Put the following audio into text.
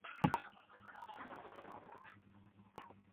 毕业于湖南大学材料科学与工程专业。